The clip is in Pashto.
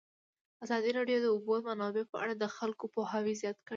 ازادي راډیو د د اوبو منابع په اړه د خلکو پوهاوی زیات کړی.